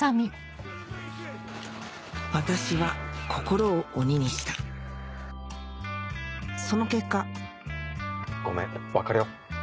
私は心を鬼にしたその結果ごめん別れよう。